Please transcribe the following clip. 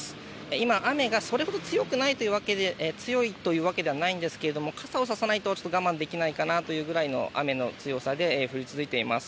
今、雨がそれほど強いというわけではないんですが傘をささないと我慢できないかなというぐらいの雨の強さで、降り続いています。